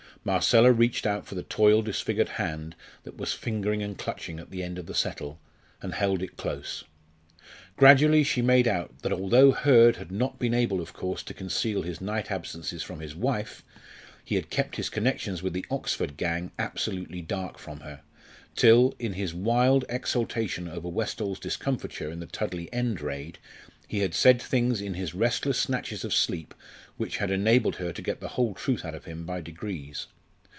Marcella reached out for the toil disfigured hand that was fingering and clutching at the edge of the settle, and held it close. Gradually she made out that although Hurd had not been able of course to conceal his night absences from his wife, he had kept his connection with the Oxford gang absolutely dark from her, till, in his wild exultation over Westall's discomfiture in the Tudley End raid, he had said things in his restless snatches of sleep which had enabled her to get the whole truth out of him by degrees.